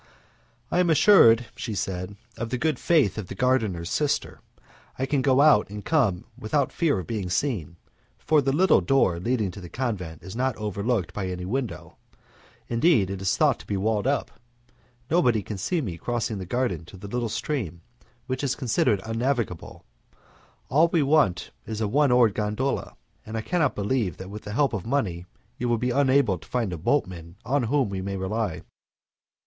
"I am assured," she said, "of the good faith of the gardener's sister. I can go out and come in without fear of being seen, for the little door leading to the convent is not overlooked by any window indeed it is thought to be walled up. Nobody can see me crossing the garden to the little stream, which is considered unnavigable. All we want is a one oared gondola, and I cannot believe that with the help of money you will be unable to find a boatman on whom we may rely."